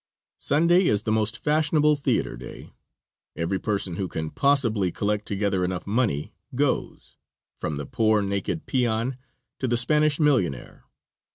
Sunday is the most fashionable theater day. Every person who can possibly collect together enough money goes, from the poor, naked peon to the Spanish millionaire.